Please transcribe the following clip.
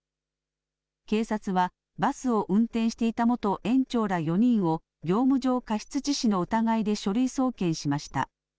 警察は、バスを運転していた元園長ら４人を、業務上過失致死の疑いで書類送検しました。